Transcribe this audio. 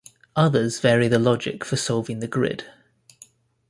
Others vary the logic for solving the grid.